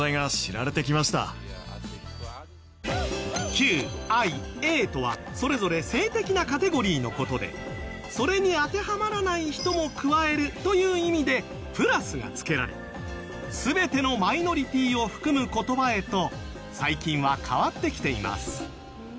ＱＩＡとはそれぞれ性的なカテゴリーの事でそれに当てはまらない人も加えるという意味で「＋」が付けられ全てのマイノリティーを含む言葉へと最近は変わってきています。